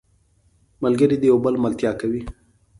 ملګری د یو بل ملتیا کوي